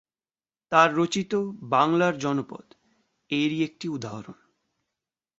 তার রচিত "বাংলার জনপদ" এরই একটি উদাহরণ।